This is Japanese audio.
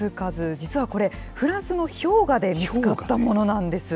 実はこれ、フランスの氷河で見つかったものなんです。